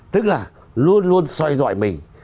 tức là luôn luôn soi dọi mình